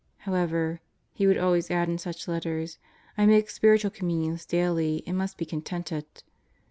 "However," he would always add in such letters, "I make Spirit ual Communions daily, and must be contented."